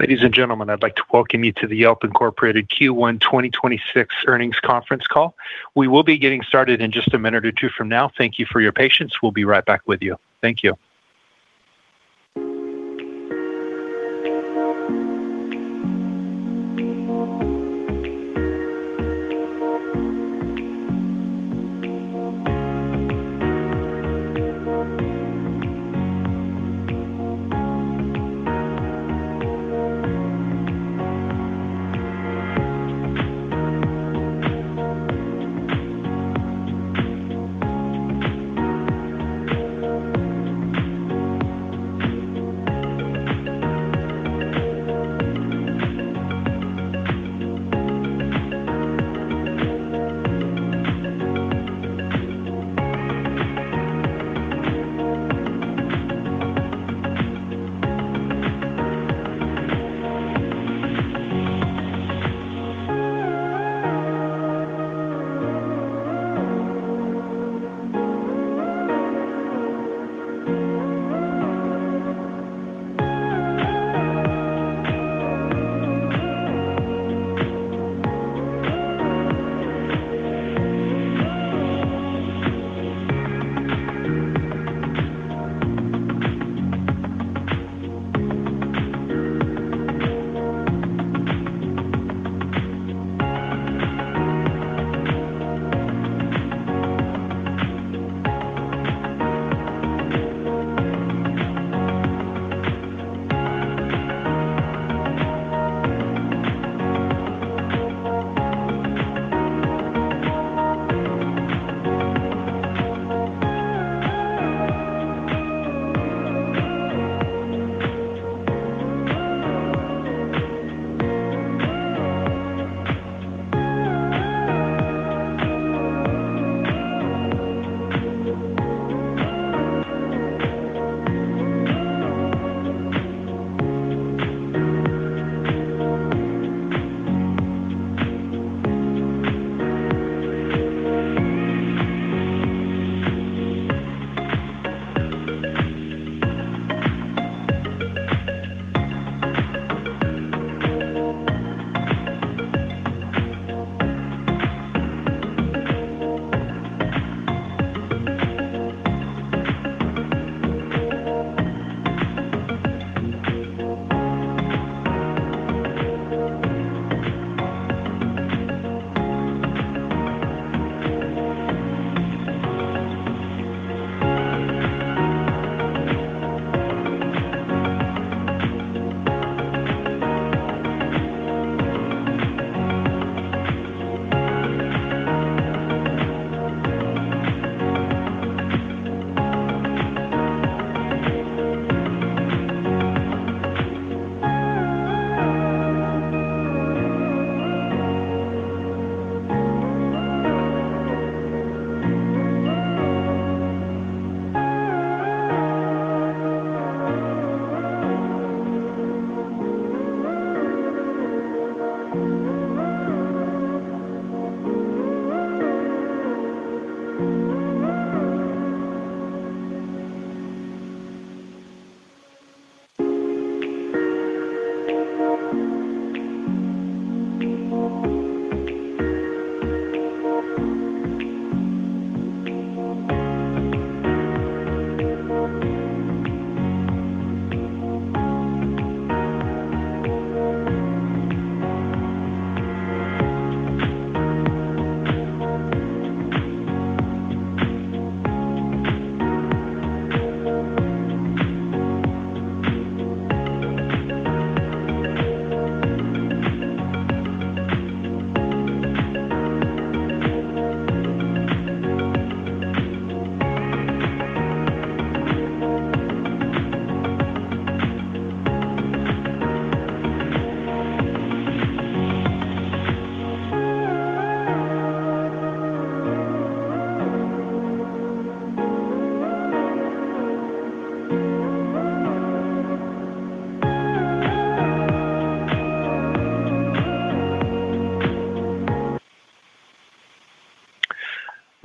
Ladies and gentlemen, I'd like to welcome you to the Yelp Inc. Q1 2026 earnings conference call. We will be getting started in just a minute or two from now. Thank you for your patience. We'll be right back with you. Thank you.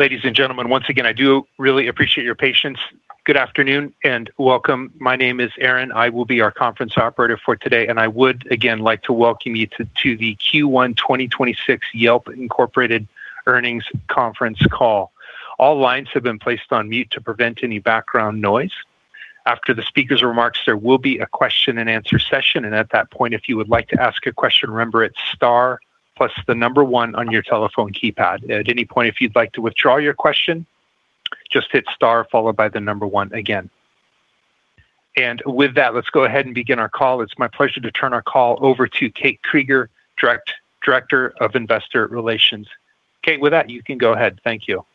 Ladies and gentlemen, once again, I do really appreciate your patience. Good afternoon and welcome. My name is Aaron. I will be your conference operator for today, and I would again like to welcome you to the Q1 2026 Yelp Inc. earnings conference call. All lines have been placed on mute to prevent any background noise. After the speaker's remarks, there will be a question and answer session, and at that point, if you would like to ask a question, remember, it's star plus the number one on your telephone keypad. At any point, if you'd like to withdraw your question, just hit star followed by one again. With that, let's go ahead and begin our call. It's my pleasure to turn our call over to Kate Krieger, Director of Investor Relations. Kate, with that, you can go ahead. Thank you.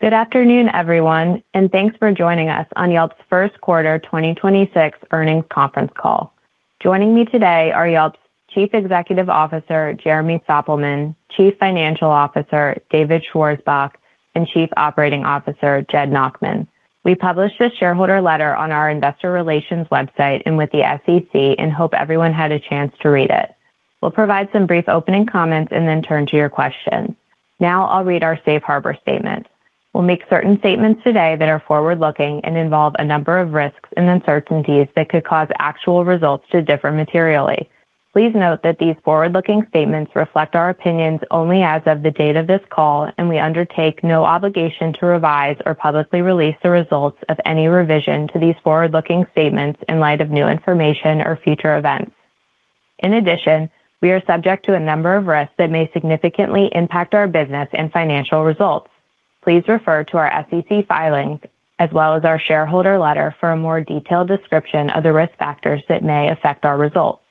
Good afternoon, everyone, and thanks for joining us on Yelp's first quarter 2026 earnings conference call. Joining me today are Yelp's Chief Executive Officer, Jeremy Stoppelman, Chief Financial Officer, David Schwarzbach, and Chief Operating Officer, Jed Nachman. We published a shareholder letter on our investor relations website and with the SEC and hope everyone had a chance to read it. We'll provide some brief opening comments and then turn to your questions. Now I'll read our Safe Harbor statement. We'll make certain statements today that are forward-looking and involve a number of risks and uncertainties that could cause actual results to differ materially. Please note that these forward-looking statements reflect our opinions only as of the date of this call, and we undertake no obligation to revise or publicly release the results of any revision to these forward-looking statements in light of new information or future events. In addition, we are subject to a number of risks that may significantly impact our business and financial results. Please refer to our SEC filings as well as our shareholder letter for a more detailed description of the risk factors that may affect our results.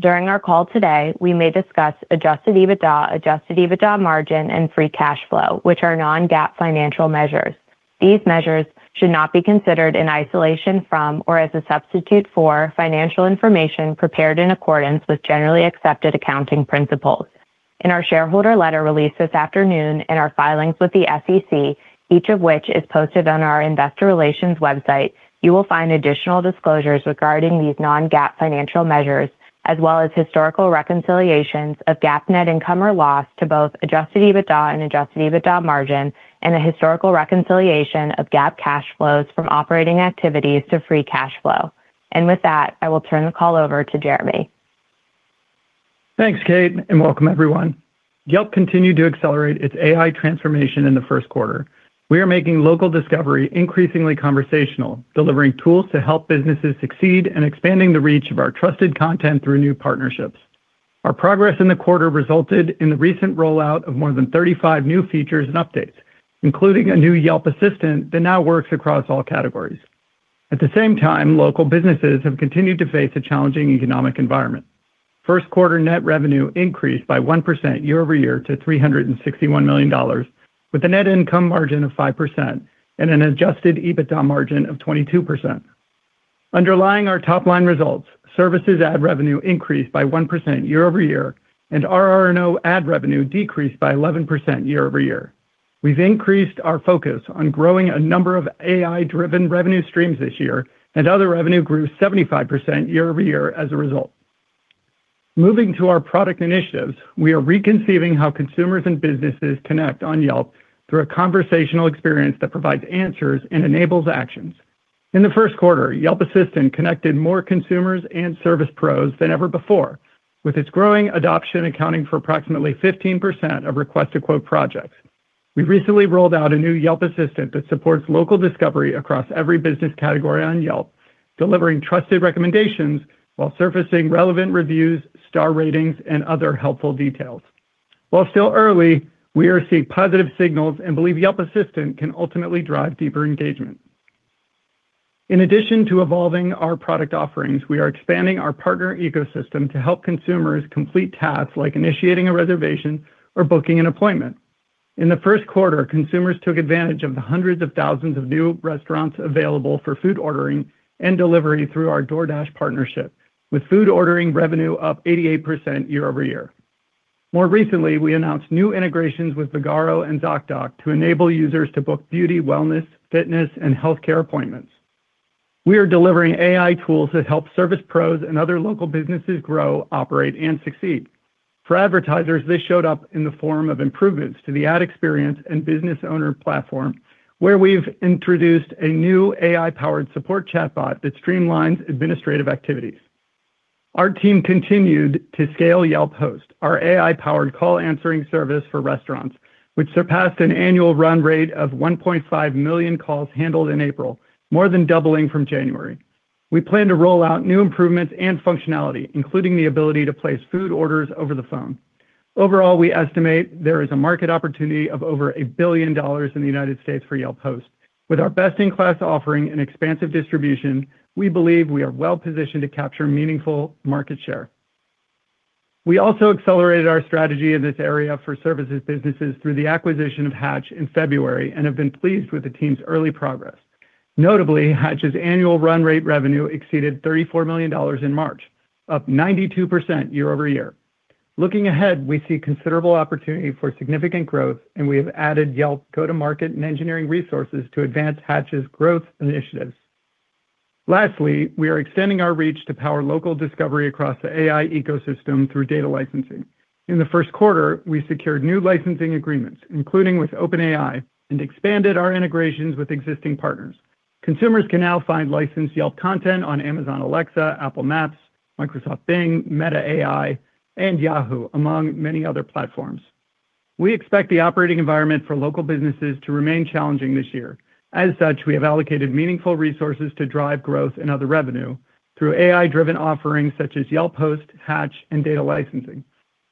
During our call today, we may discuss adjusted EBITDA, adjusted EBITDA margin, and free cash flow, which are non-GAAP financial measures. These measures should not be considered in isolation from or as a substitute for financial information prepared in accordance with generally accepted accounting principles. In our shareholder letter released this afternoon and our filings with the SEC, each of which is posted on our investor relations website, you will find additional disclosures regarding these non-GAAP financial measures, as well as historical reconciliations of GAAP net income or loss to both adjusted EBITDA and adjusted EBITDA margin and a historical reconciliation of GAAP cash flows from operating activities to free cash flow. With that, I will turn the call over to Jeremy. Thanks, Kate, and welcome everyone. Yelp continued to accelerate its AI transformation in the first quarter. We are making local discovery increasingly conversational, delivering tools to help businesses succeed and expanding the reach of our trusted content through new partnerships. Our progress in the quarter resulted in the recent rollout of more than 35 new features and updates, including a new Yelp Assistant that now works across all categories. At the same time, local businesses have continued to face a challenging economic environment. First quarter net revenue increased by 1% year-over-year to $361 million with a net income margin of 5% and an adjusted EBITDA margin of 22%. Underlying our top-line results, services ad revenue increased by 1% year-over-year, and RR&O ad revenue decreased by 11% year-over-year. We've increased our focus on growing a number of AI-driven revenue streams this year. Other revenue grew 75% year-over-year as a result. Moving to our product initiatives, we are reconceiving how consumers and businesses connect on Yelp through a conversational experience that provides answers and enables actions. In the first quarter, Yelp Assistant connected more consumers and service pros than ever before, with its growing adoption accounting for approximately 15% of request-to-quote projects. We recently rolled out a new Yelp Assistant that supports local discovery across every business category on Yelp, delivering trusted recommendations while surfacing relevant reviews, star ratings, and other helpful details. While still early, we are seeing positive signals and believe Yelp Assistant can ultimately drive deeper engagement. In addition to evolving our product offerings, we are expanding our partner ecosystem to help consumers complete tasks like initiating a reservation or booking an appointment. In the first quarter, consumers took advantage of the hundreds of thousands of new restaurants available for food ordering and delivery through our DoorDash partnership, with food ordering revenue up 88% year-over-year. More recently, we announced new integrations with Vagaro and Zocdoc to enable users to book beauty, wellness, fitness, and healthcare appointments. We are delivering AI tools that help service pros and other local businesses grow, operate, and succeed. For advertisers, this showed up in the form of improvements to the ad experience and business owner platform, where we've introduced a new AI-powered support chatbot that streamlines administrative activities. Our team continued to scale Yelp Host, our AI-powered call answering service for restaurants, which surpassed an annual run rate of 1.5 million calls handled in April, more than doubling from January. We plan to roll out new improvements and functionality, including the ability to place food orders over the phone. Overall, we estimate there is a market opportunity of over $1 billion in the United States for Yelp Host. With our best-in-class offering and expansive distribution, we believe we are well-positioned to capture meaningful market share. We also accelerated our strategy in this area for services businesses through the acquisition of Hatch in February and have been pleased with the team's early progress. Notably, Hatch's annual run rate revenue exceeded $34 million in March, up 92% year-over-year. Looking ahead, we see considerable opportunity for significant growth, and we have added Yelp go-to-market and engineering resources to advance Hatch's growth initiatives. Lastly, we are extending our reach to power local discovery across the AI ecosystem through data licensing. In the first quarter, we secured new licensing agreements, including with OpenAI, and expanded our integrations with existing partners. Consumers can now find licensed Yelp content on Amazon Alexa, Apple Maps, Microsoft Bing, Meta AI, and Yahoo, among many other platforms. We expect the operating environment for local businesses to remain challenging this year. As such, we have allocated meaningful resources to drive growth in other revenue through AI-driven offerings such as Yelp Host, Hatch, and data licensing.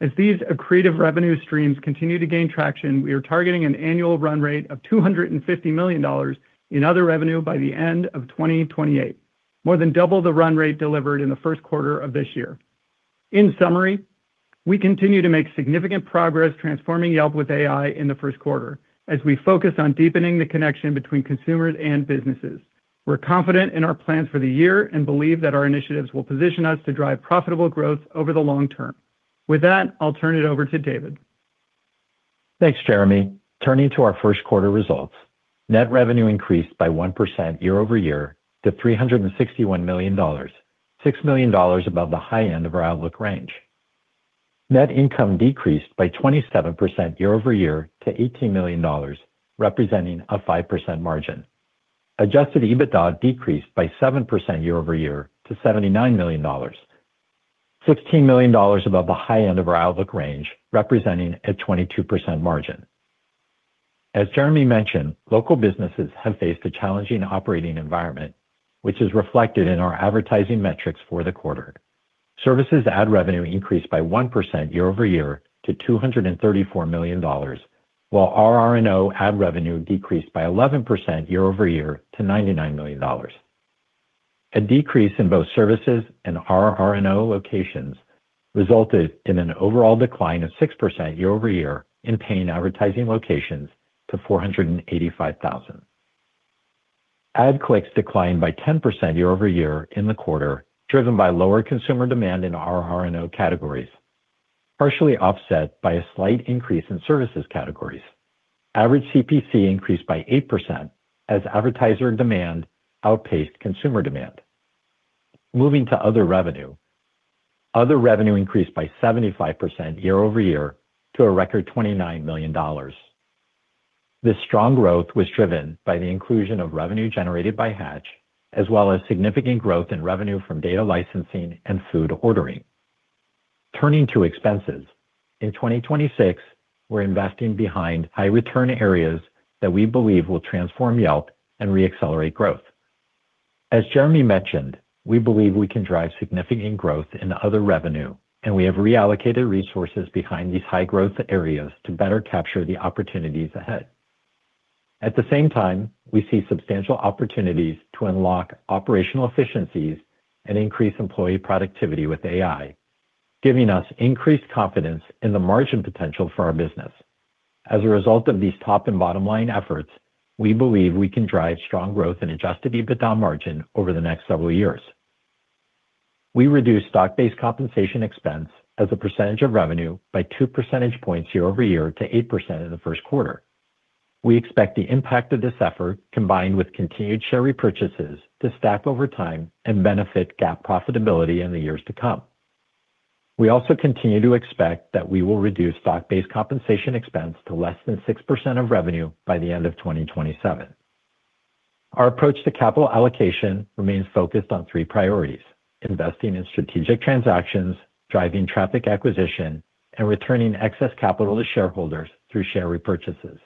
As these accretive revenue streams continue to gain traction, we are targeting an annual run rate of $250 million in other revenue by the end of 2028, more than double the run rate delivered in the first quarter of this year. In summary, we continue to make significant progress transforming Yelp with AI in the first quarter as we focus on deepening the connection between consumers and businesses. We're confident in our plans for the year and believe that our initiatives will position us to drive profitable growth over the long term. With that, I'll turn it over to David. Thanks, Jeremy. Turning to our first quarter results. Net revenue increased by 1% year-over-year to $361 million, $6 million above the high end of our outlook range. Net income decreased by 27% year-over-year to $18 million, representing a 5% margin. Adjusted EBITDA decreased by 7% year-over-year to $79 million, $15 million above the high end of our outlook range, representing a 22% margin. As Jeremy mentioned, local businesses have faced a challenging operating environment, which is reflected in our advertising metrics for the quarter. Services ad revenue increased by 1% year-over-year to $234 million, while RR&O ad revenue decreased by 11% year-over-year to $99 million. A decrease in both services and RR&O locations resulted in an overall decline of 6% year-over-year in paying advertising locations to 485,000. Ad clicks declined by 10% year-over-year in the quarter, driven by lower consumer demand in RR&O categories, partially offset by a slight increase in services categories. Average CPC increased by 8% as advertiser demand outpaced consumer demand. Moving to other revenue. Other revenue increased by 75% year-over-year to a record $29 million. This strong growth was driven by the inclusion of revenue generated by Hatch, as well as significant growth in revenue from data licensing and food ordering. Turning to expenses. In 2026, we're investing behind high return areas that we believe will transform Yelp and re-accelerate growth. As Jeremy mentioned, we believe we can drive significant growth in other revenue, and we have reallocated resources behind these high-growth areas to better capture the opportunities ahead. At the same time, we see substantial opportunities to unlock operational efficiencies and increase employee productivity with AI, giving us increased confidence in the margin potential for our business. As a result of these top and bottom line efforts, we believe we can drive strong growth in adjusted EBITDA margin over the next several years. We reduced stock-based compensation expense as a percentage of revenue by 2 percentage points year-over-year to 8% in the first quarter. We expect the impact of this effort, combined with continued share repurchases, to stack over time and benefit GAAP profitability in the years to come. We also continue to expect that we will reduce stock-based compensation expense to less than 6% of revenue by the end of 2027. Our approach to capital allocation remains focused on three priorities: investing in strategic transactions, driving traffic acquisition, and returning excess capital to shareholders through share repurchases.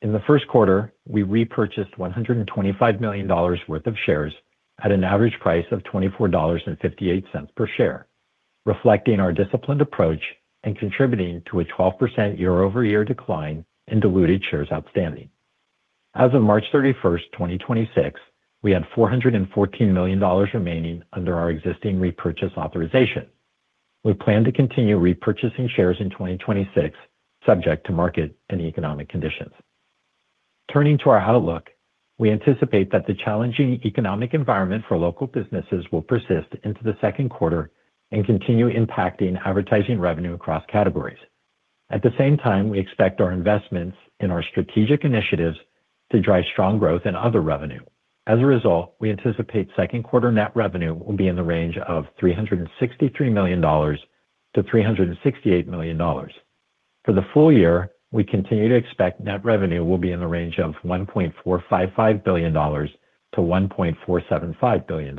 In the first quarter, we repurchased $125 million worth of shares at an average price of $24.58 per share, reflecting our disciplined approach and contributing to a 12% year-over-year decline in diluted shares outstanding. As of March 31, 2026, we had $414 million remaining under our existing repurchase authorization. We plan to continue repurchasing shares in 2026, subject to market and economic conditions. Turning to our outlook, we anticipate that the challenging economic environment for local businesses will persist into the second quarter and continue impacting advertising revenue across categories. At the same time, we expect our investments in our strategic initiatives to drive strong growth in other revenue. As a result, we anticipate second quarter net revenue will be in the range of $363 million-$368 million. For the full year, we continue to expect net revenue will be in the range of $1.455 billion-$1.475 billion.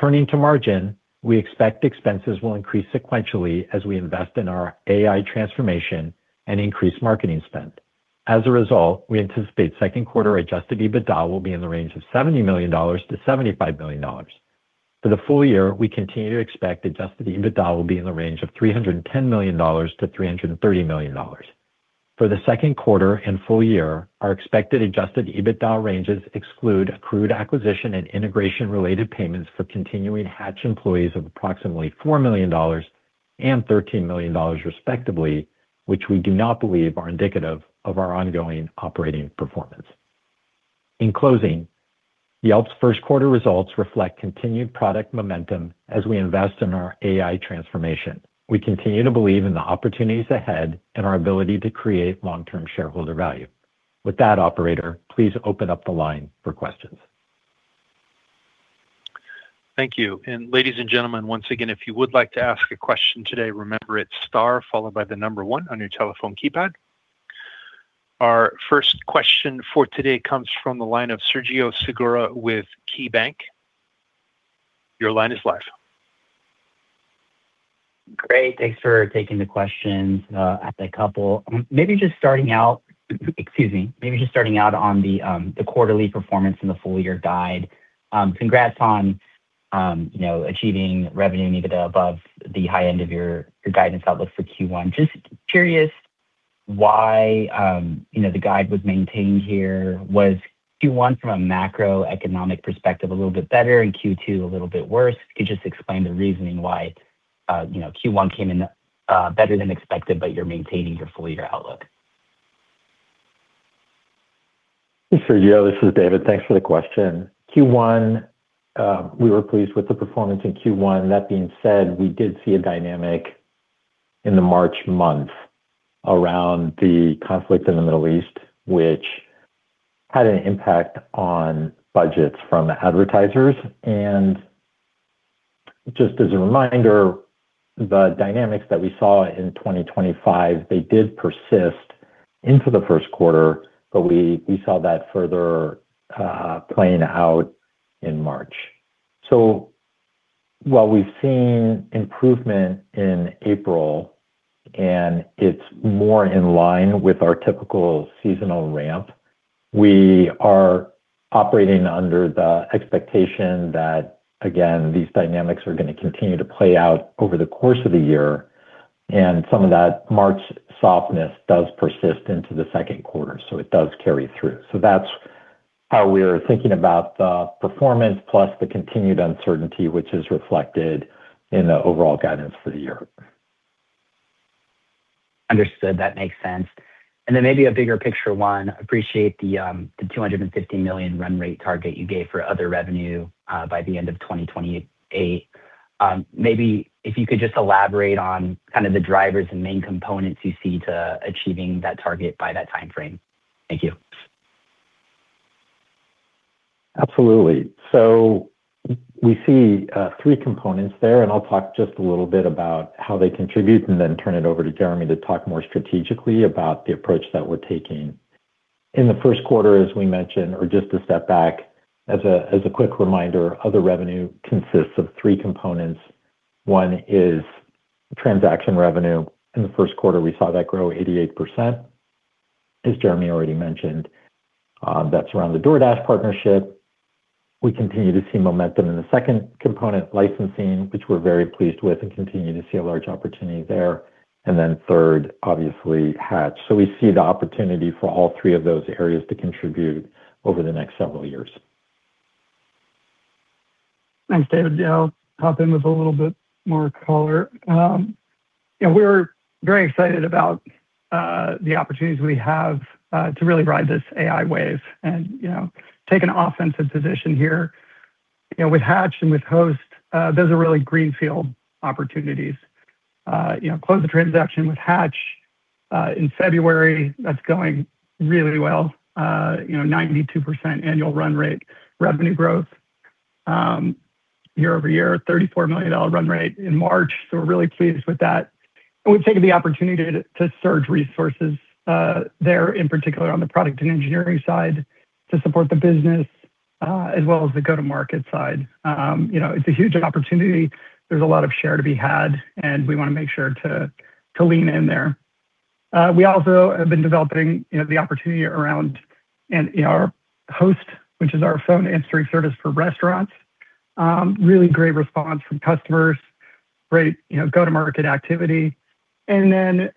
Turning to margin, we expect expenses will increase sequentially as we invest in our AI transformation and increase marketing spend. As a result, we anticipate second quarter adjusted EBITDA will be in the range of $70 million-$75 million. For the full year, we continue to expect adjusted EBITDA will be in the range of $310 million-$330 million. For the second quarter and full year, our expected adjusted EBITDA ranges exclude accrued acquisition and integration-related payments for continuing Hatch employees of approximately $4 million and $13 million respectively, which we do not believe are indicative of our ongoing operating performance. In closing, Yelp's first quarter results reflect continued product momentum as we invest in our AI transformation. We continue to believe in the opportunities ahead and our ability to create long-term shareholder value. With that, operator, please open up the line for questions. Thank you. Ladies and gentlemen, once again, if you would like to ask a question today, remember it's star followed by the number one on your telephone keypad. Our first question for today comes from the line of Sergio Segura with KeyBanc. Your line is live. Great. Thanks for taking the questions, I have a couple. Excuse me. Maybe just starting out on the quarterly performance and the full year guide. Congrats on, you know, achieving revenue and EBITDA above the high end of your guidance outlook for Q1. Just curious why, you know, the guide was maintained here. Was Q1 from a macroeconomic perspective a little bit better and Q2 a little bit worse? Could you just explain the reasoning why, you know, Q1 came in better than expected, but you're maintaining your full year outlook? Sergio, this is David. Thanks for the question. Q1, we were pleased with the performance in Q1. That being said, we did see a dynamic in the March month around the conflict in the Middle East, which had an impact on budgets from advertisers. Just as a reminder, the dynamics that we saw in 2025, they did persist into the first quarter, but we saw that further playing out in March. While we've seen improvement in April, and it's more in line with our typical seasonal ramp, we are operating under the expectation that, again, these dynamics are gonna continue to play out over the course of the year. Some of that March softness does persist into the second quarter. It does carry through. That's how we're thinking about the performance plus the continued uncertainty, which is reflected in the overall guidance for the year. Understood. That makes sense. Maybe a bigger picture one, appreciate the $250 million run rate target you gave for other revenue by the end of 2028. Maybe if you could just elaborate on kind of the drivers and main components you see to achieving that target by that timeframe. Thank you. Absolutely. We see three components there, and I'll talk just a little bit about how they contribute and then turn it over to Jeremy to talk more strategically about the approach that we're taking. In the first quarter, as we mentioned, or just to step back as a quick reminder, other revenue consists of three components. One is transaction revenue. In the first quarter, we saw that grow 88%, as Jeremy already mentioned. That's around the DoorDash partnership. We continue to see momentum in the second component, licensing, which we're very pleased with and continue to see a large opportunity there. Then third, obviously, Hatch. We see the opportunity for all three of those areas to contribute over the next several years. Thanks, David. Yeah, I'll pop in with a little bit more color. You know, we're very excited about the opportunities we have to really ride this AI wave and, you know, take an offensive position here. You know, with Hatch and with Host, those are really greenfield opportunities. You know, closed the transaction with Hatch in February. That's going really well. You know, 92% annual run rate revenue growth year-over-year, $34 million run rate in March. We're really pleased with that. We've taken the opportunity to surge resources there, in particular on the product and engineering side to support the business, as well as the go-to-market side. You know, it's a huge opportunity. There's a lot of share to be had, we wanna make sure to lean in there. We also have been developing, you know, the opportunity around our Host, which is our phone answering service for restaurants. Really great response from customers. Great, you know, go-to-market activity. You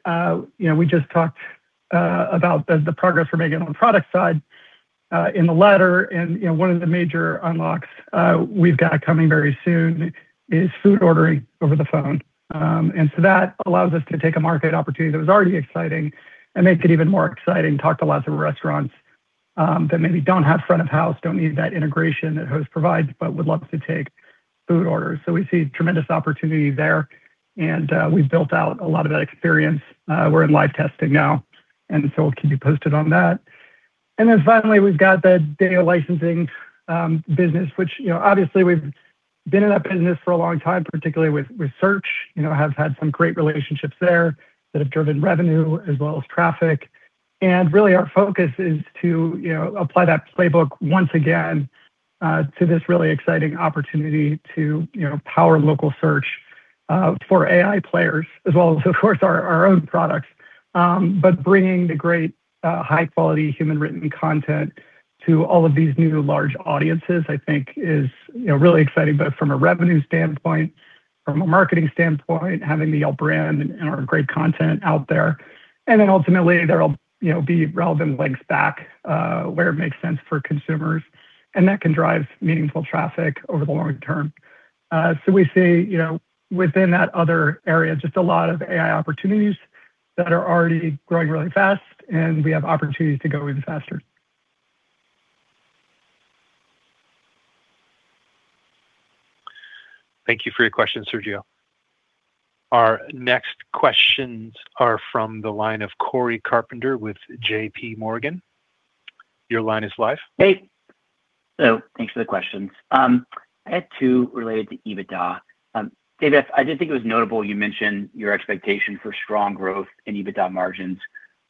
know, we just talked about the progress we're making on the product side in the letter. You know, one of the major unlocks we've got coming very soon is food ordering over the phone. That allows us to take a market opportunity that was already exciting and make it even more exciting. Talked to lots of restaurants that maybe don't have front of house, don't need that integration that Host provides, but would love to take food orders. We see tremendous opportunity there. We've built out a lot of that experience. We're in live testing now, we'll keep you posted on that. Finally, we've got the data licensing business, which, you know, obviously we've been in that business for a long time, particularly with search. You know, have had some great relationships there that have driven revenue as well as traffic. Really our focus is to, you know, apply that playbook once again to this really exciting opportunity to, you know, power local search for AI players as well as, of course, our own products. Bringing the great high quality human written content to all of these new large audiences, I think is, you know, really exciting both from a revenue standpoint, from a marketing standpoint, having the Yelp brand and our great content out there. Ultimately, there'll, you know, be relevant links back where it makes sense for consumers, and that can drive meaningful traffic over the long term. We see, you know, within that other area, just a lot of AI opportunities that are already growing really fast, and we have opportunities to go even faster. Thank you for your question, Sergio. Our next questions are from the line of Cory Carpenter with JPMorgan. Your line is live. Hey. So thanks for the questions. I had two related to EBITDA. David, I did think it was notable you mentioned your expectation for strong growth in EBITDA margins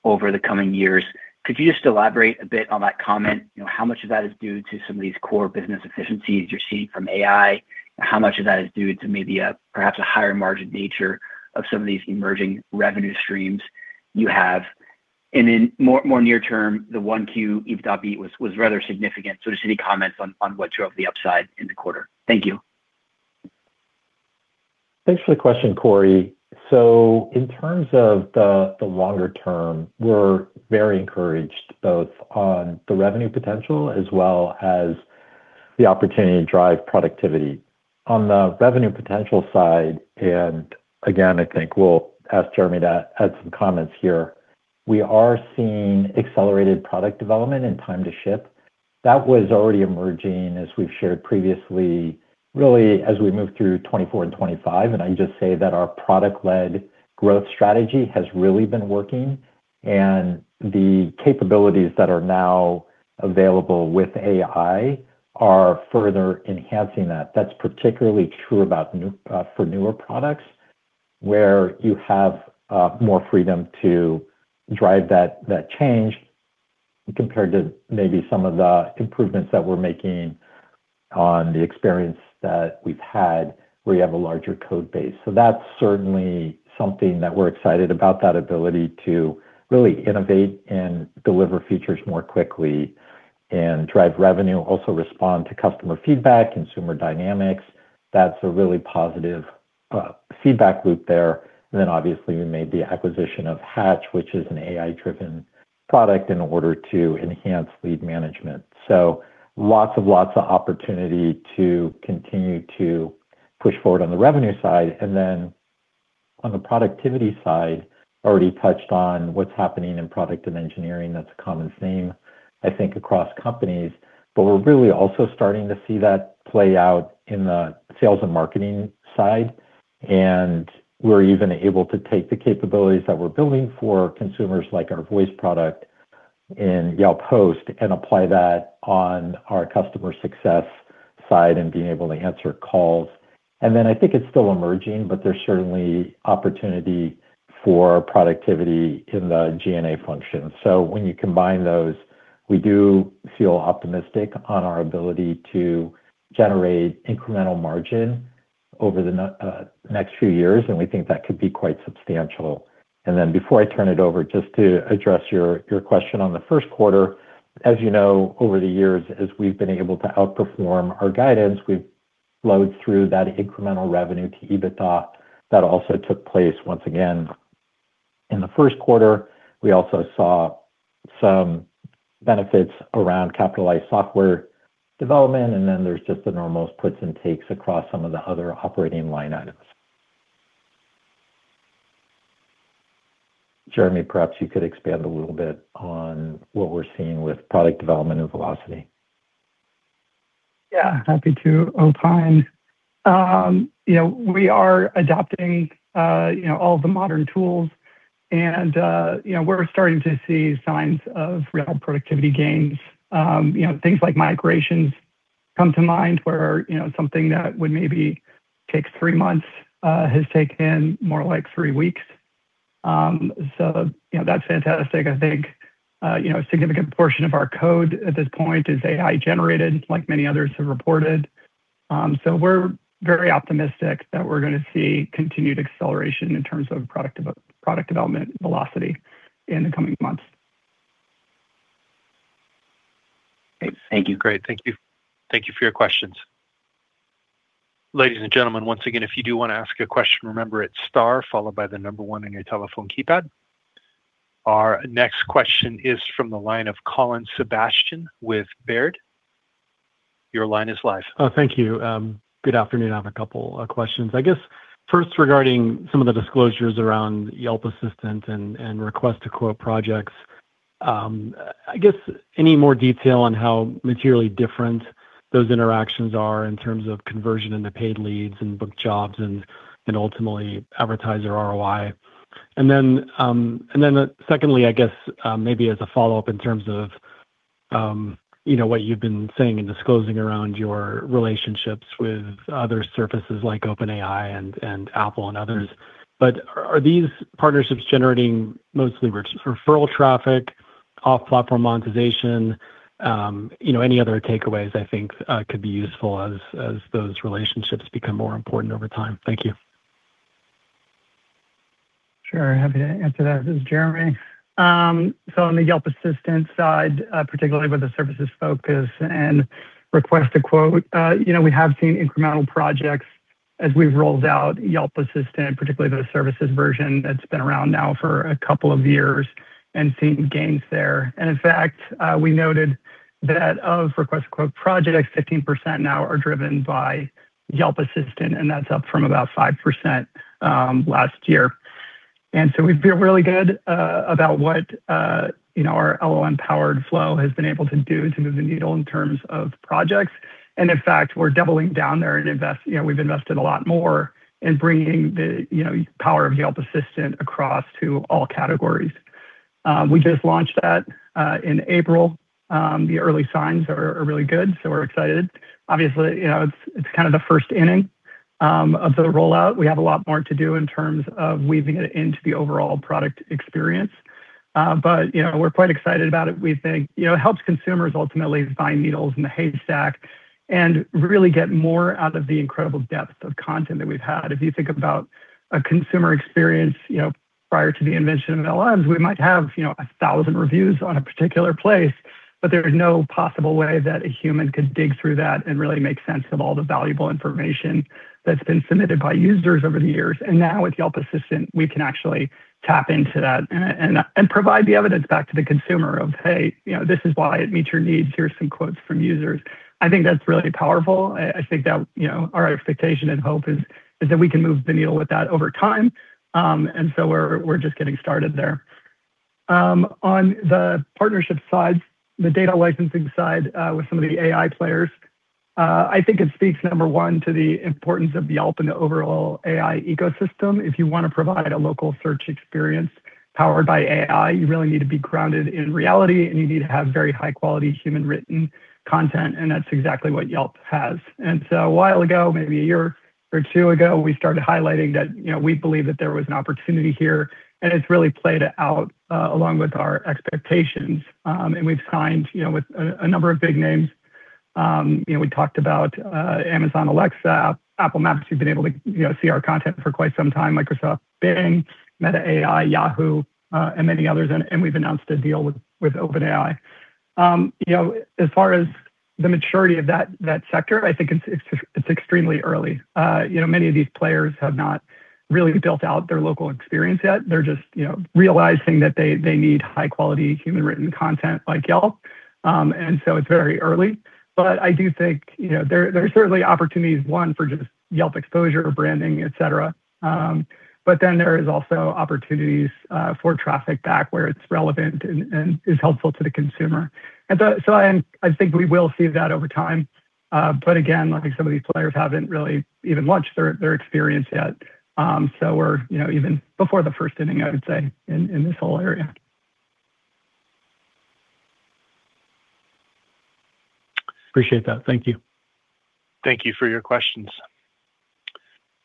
over the coming years. Could you just elaborate a bit on that comment? You know, how much of that is due to some of these core business efficiencies you're seeing from AI? How much of that is due to maybe a, perhaps a higher margin nature of some of these emerging revenue streams you have? More, more near term, the 1Q EBITDA beat was rather significant. Just any comments on what drove the upside in the quarter. Thank you. Thanks for the question, Cory. In terms of the longer term, we're very encouraged both on the revenue potential as well as the opportunity to drive productivity. On the revenue potential side, and again, I think we'll ask Jeremy to add some comments here, we are seeing accelerated product development and time to ship. That was already emerging as we've shared previously, really as we move through 2024 and 2025, and I just say that our product-led growth strategy has really been working, and the capabilities that are now available with AI are further enhancing that. That's particularly true about for newer products, where you have more freedom to drive that change compared to maybe some of the improvements that we're making on the experience that we've had, where you have a larger code base. That's certainly something that we're excited about, that ability to really innovate and deliver features more quickly and drive revenue, also respond to customer feedback, consumer dynamics. That's a really positive feedback loop there. Obviously, we made the acquisition of Hatch, which is an AI-driven product in order to enhance lead management. Lots of opportunity to continue to push forward on the revenue side. On the productivity side, already touched on what's happening in product and engineering. That's a common theme, I think, across companies. We're really also starting to see that play out in the sales and marketing side, and we're even able to take the capabilities that we're building for consumers like our voice product in Yelp Host and apply that on our customer success side and being able to answer calls. I think it's still emerging, but there's certainly opportunity for productivity in the G&A function. When you combine those, we do feel optimistic on our ability to generate incremental margin over the next few years, and we think that could be quite substantial. Before I turn it over, just to address your question on the first quarter. As you know, over the years, as we've been able to outperform our guidance, we've flowed through that incremental revenue to EBITDA. That also took place once again in the first quarter. We also saw some benefits around capitalized software development, there's just the normal puts and takes across some of the other operating line items. Jeremy, perhaps you could expand a little bit on what we're seeing with product development and velocity. Yeah, happy to. We are adopting, you know, all the modern tools and, you know, we're starting to see signs of real productivity gains. You know, things like migrations come to mind where, you know, something that would maybe take three months, has taken more like three weeks. That's fantastic. I think, you know, a significant portion of our code at this point is AI-generated, like many others have reported. We're very optimistic that we're gonna see continued acceleration in terms of product development velocity in the coming months. Great. Thank you. Great. Thank you. Thank you for your questions. Ladies and gentlemen, once again, if you do wanna ask a question, remember it's star followed by the number one on your telephone keypad. Our next question is from the line of Colin Sebastian with Baird. Your line is live. Thank you. Good afternoon. I have a couple questions. I guess first regarding some of the disclosures around Yelp Assistant and request-to-quote projects. I guess any more detail on how materially different those interactions are in terms of conversion in the paid leads and booked jobs and ultimately advertiser ROI. Secondly, I guess, maybe as a follow-up in terms of, you know, what you've been saying and disclosing around your relationships with other surfaces like OpenAI and Apple and others. Are these partnerships generating mostly rich referral traffic, off-platform monetization? You know, any other takeaways I think could be useful as those relationships become more important over time. Thank you. Sure. Happy to answer that. This is Jeremy. On the Yelp Assistant side, particularly with the services focus and request-to-quote, we have seen incremental projects as we've rolled out Yelp Assistant, particularly the services version that's been around now for a couple of years and seen gains there. In fact, we noted that of request-to-quote projects, 15% now are driven by Yelp Assistant, and that's up from about 5% last year. We feel really good about what our LLM-powered flow has been able to do to move the needle in terms of projects. In fact, we're doubling down there and we've invested a lot more in bringing the power of Yelp Assistant across to all categories. We just launched that in April. The early signs are really good. We're excited. Obviously, you know, it's kind of the first inning of the rollout. We have a lot more to do in terms of weaving it into the overall product experience. You know, we're quite excited about it. We think, you know, it helps consumers ultimately find needles in the haystack and really get more out of the incredible depth of content that we've had. If you think about a consumer experience, you know, prior to the invention of LLMs, we might have, you know, 1,000 reviews on a particular place. There is no possible way that a human could dig through that and really make sense of all the valuable information that's been submitted by users over the years. Now with Yelp Assistant, we can actually tap into that and provide the evidence back to the consumer of, "Hey, you know, this is why it meets your needs. Here's some quotes from users." I think that's really powerful. I think that, you know, our expectation and hope is that we can move the needle with that over time. We're just getting started there. On the partnership side, the data licensing side, with some of the AI players, I think it speaks, number one, to the importance of Yelp in the overall AI ecosystem. If you wanna provide a local search experience powered by AI, you really need to be grounded in reality, and you need to have very high-quality human-written content, and that's exactly what Yelp has. A while ago, maybe a year or two ago, we started highlighting that, you know, we believe that there was an opportunity here, and it's really played out along with our expectations. We've signed, you know, with a number of big names. You know, we talked about Amazon Alexa, Apple Maps, you've been able to, you know, see our content for quite some time. Microsoft Bing, Meta AI, Yahoo, and many others. And we've announced a deal with OpenAI. You know, as far as the maturity of that sector, I think it's extremely early. You know, many of these players have not really built out their local experience yet. They're just, you know, realizing that they need high-quality human-written content like Yelp. It's very early. I do think, you know, there's certainly opportunities, one, for just Yelp exposure, branding, et cetera. There is also opportunities for traffic back where it's relevant and is helpful to the consumer. I think we will see that over time. Again, I think some of these players haven't really even launched their experience yet. We're, you know, even before the first inning, I would say, in this whole area. Appreciate that. Thank you. Thank you for your questions.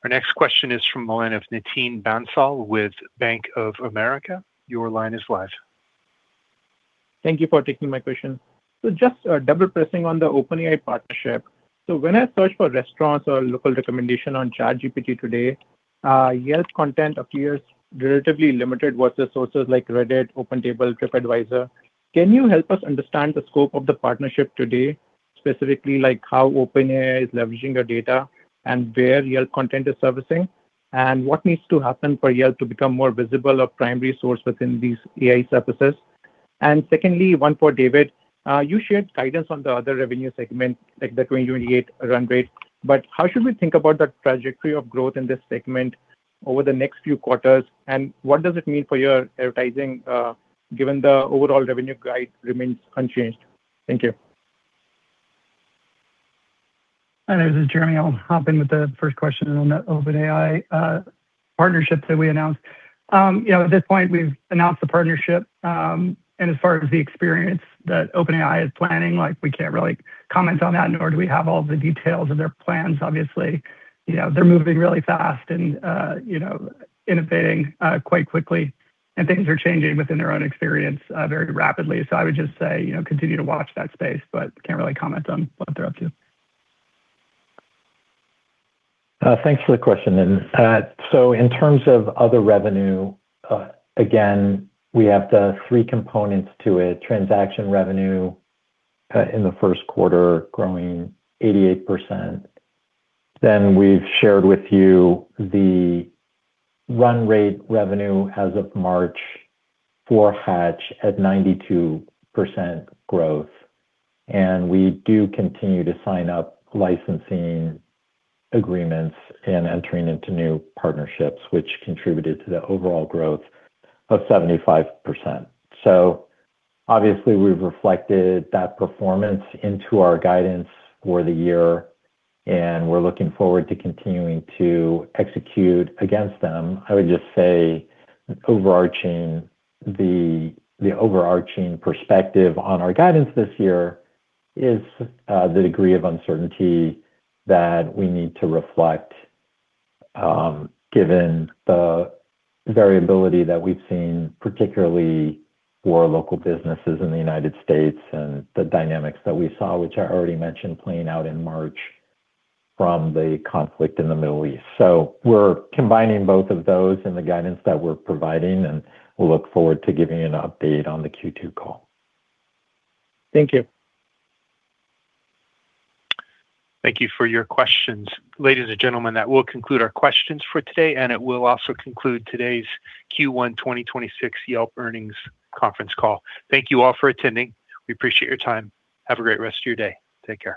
Our next question is from the line of Nitin Bansal with Bank of America. Your line is live. Thank you for taking my question. Just double-pressing on the OpenAI partnership. When I search for restaurants or local recommendation on ChatGPT today, Yelp content appears relatively limited versus sources like Reddit, OpenTable, Tripadvisor. Can you help us understand the scope of the partnership today, specifically like how OpenAI is leveraging your data and where Yelp content is surfacing? What needs to happen for Yelp to become more visible or primary source within these AI surfaces? Secondly, one for David. You shared guidance on the other revenue segment, like the $28 run rate, but how should we think about the trajectory of growth in this segment over the next quarters, and what does it mean for your advertising, given the overall revenue guide remains unchanged? Thank you. Hi, this is Jeremy. I'll hop in with the first question on the OpenAI partnership that we announced. You know, at this point, we've announced the partnership, as far as the experience that OpenAI is planning, like we can't really comment on that, nor do we have all the details of their plans. Obviously, you know, they're moving really fast, you know, innovating quite quickly, things are changing within their own experience very rapidly. I would just say, you know, continue to watch that space, but can't really comment on what they're up to. Thanks for the question. In terms of other revenue, again, we have the three components to it. Transaction revenue, in the first quarter growing 88%. We've shared with you the run rate revenue as of March for Hatch at 92% growth. We do continue to sign up licensing agreements and entering into new partnerships, which contributed to the overall growth of 75%. Obviously, we've reflected that performance into our guidance for the year, and we're looking forward to continuing to execute against them. I would just say overarching perspective on our guidance this year is the degree of uncertainty that we need to reflect, given the variability that we've seen, particularly for local businesses in the U.S. and the dynamics that we saw, which I already mentioned playing out in March from the conflict in the Middle East. We're combining both of those in the guidance that we're providing, and we'll look forward to giving you an update on the Q2 call. Thank you. Thank you for your questions. Ladies and gentlemen, that will conclude our questions for today, and it will also conclude today's Q1 2026 Yelp earnings conference call. Thank you all for attending. We appreciate your time. Have a great rest of your day. Take care.